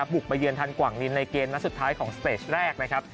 บุกไปเยือนทันกว่างนินในเกมสุดท้ายของสเตจแรก